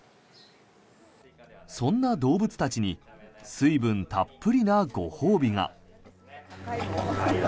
そんな動物たちに水分たっぷりなご褒美が。